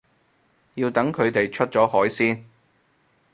要等佢哋出咗海先